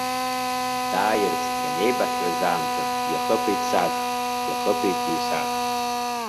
Дааирц ианеибаҳҳәаз аамҭа иахыԥеит сааҭк, иахыԥеит ҩ-сааҭк.